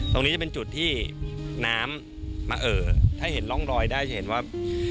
ตรงนี้จะเป็นจุดที่น้ำมาเอ่อถ้าเห็นร่องรอยได้จะเห็นว่า